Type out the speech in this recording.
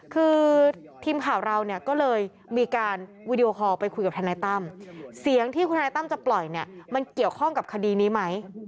คือทีมข่าวเราเนี่ยก็เลยมีการวีดีโอคอลไปคุยกับทนายตั้มเสียงที่ทนายตั้มจะปล่อยเนี่ยมันเกี่ยวข้องกับคดีนี้ไหม